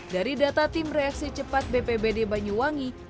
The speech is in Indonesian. dari data tim reaksi cepat bpbd banyuwangi